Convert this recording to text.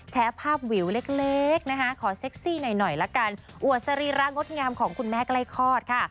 แชร์ภาพวิวเล็กนะคะขอเซ็กซี่หน่อยละกันอวดสรีระงดงามของคุณแม่ใกล้คลอดค่ะ